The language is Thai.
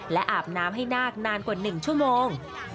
และอาบน้ำให้นาคนานกว่า๑ชั่วโมง